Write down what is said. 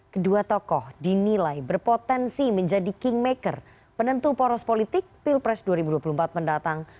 kedua tokoh dinilai berpotensi menjadi kingmaker penentu poros politik pilpres dua ribu dua puluh empat mendatang